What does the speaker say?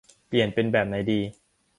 เปลี่ยนเป็นแบบไหนดี